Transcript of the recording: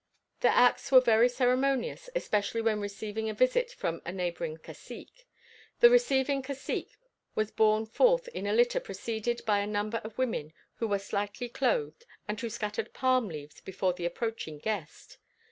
Their acts were very ceremonious especially when receiving a visit from a neighbouring cacique. The receiving cacique was borne forth in a litter preceded by a number of women who were slightly clothed, and who scattered palm leaves before the approaching guest.